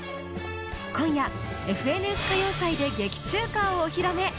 今夜「ＦＮＳ歌謡祭」で劇中歌をお披露目。